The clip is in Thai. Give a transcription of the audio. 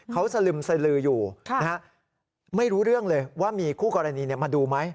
เขาสลึมสลืออยู่ไม่รู้เรื่องเลยว่ามีคู่กรณีมาดูไหม